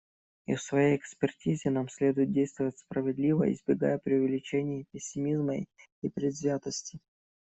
И в своей экспертизе нам следует действовать справедливо, избегая преувеличений, пессимизма и предвзятости.